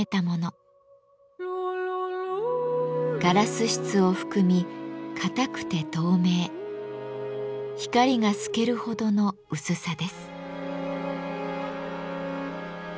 ガラス質を含み硬くて透明光が透けるほどの薄さです。